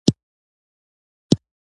ځینې د څلورو نسلونو راهیسې اوسېدل.